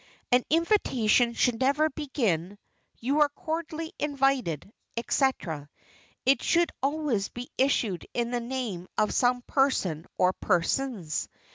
An invitation should never begin "You are cordially invited," etc. It should always be issued in the name of some person or persons.